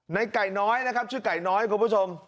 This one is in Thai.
ในไก่น้อยนะครับชื่อไก่น้อยคุณผู้ชม